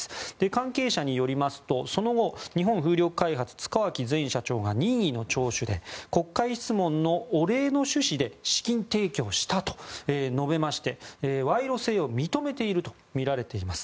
関係者によりますと、その後日本風力開発塚脇前社長が任意の聴取で国会質問のお礼の趣旨で資金提供したと述べまして賄賂性を認めているとみられています。